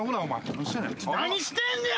何してんねん。